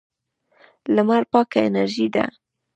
لمر پاکه انرژي ده.